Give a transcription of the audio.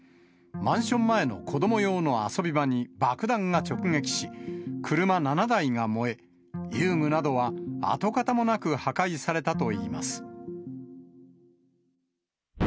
マンション前の子ども用の遊び場に爆弾が直撃し、車７台が燃え、遊具などは跡形もなく破壊されたといいます。